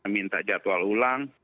minta jadwal ulang